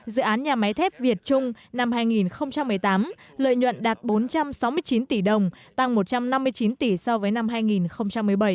dự án nhà máy thép việt trung năm hai nghìn một mươi tám lợi nhuận đạt bốn trăm sáu mươi chín tỷ đồng tăng một trăm năm mươi chín tỷ so với năm hai nghìn một mươi bảy